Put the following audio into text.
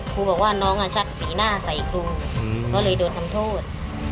ครูบอกว่าน้องชักสีหน้าใส่ครูก็เลยโดนทำโทษ